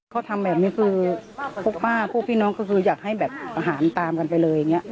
เขาทำแบบนี้คือพวกป้าพวกพี่น้องก็คืออยากให้แบบอาหารตามกันไปเลยอย่างนี้